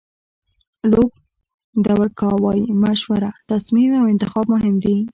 لوپ دورکا وایي مشوره، تصمیم او انتخاب مهم دي.